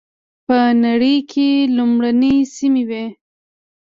په نړۍ کې لومړنۍ سیمې وې.